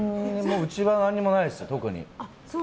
うちは何もないです、特に。